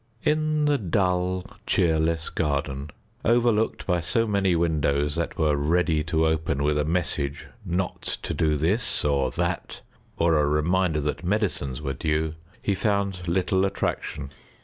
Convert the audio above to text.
In the dull, cheerless garden, overlooked by so many windows that were ready to open with a message not to do this or that, or a reminder that medicines were due, he found little attraction.